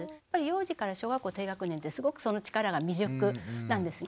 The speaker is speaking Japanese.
幼児から小学校低学年ってすごくその力が未熟なんです。